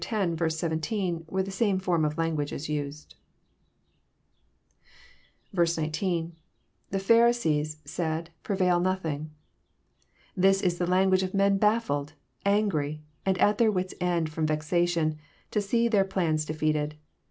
17, where the same form of lan guage is used. 19.— [T?lc Pharisee8...8aid..,preva{l nothing.'] This Is the language of men baffled, angry, and at their wits* end fkrom vexation, to see their plans defeated.